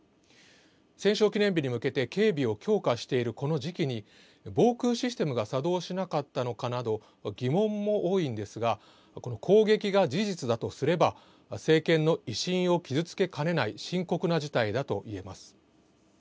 戦勝記念日に向けて、警備を強化しているこの時期に、防空システムが作動しなかったのかなど、疑問も多いんですが、この攻撃が事実だとすれば、政権の威信を傷つけかねない深刻な事態だといえます。